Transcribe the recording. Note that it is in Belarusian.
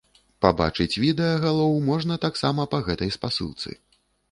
Пабачыць відэа галоў можна таксама па гэтай спасылцы.